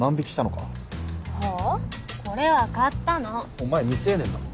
お前未成年だろ？